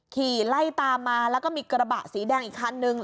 ขี่ไล่ตามมาแล้วก็มีกระบะสีแดงอีกคันนึง